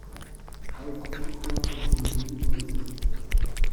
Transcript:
Reisezugwagen wurden nicht übergesetzt.